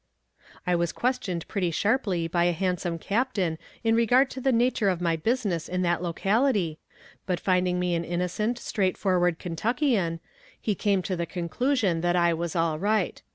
I was questioned pretty sharply by the handsome captain in regard to the nature of my business in that locality, but finding me an innocent, straightforward Kentuckian, he came to the conclusion that I was all right.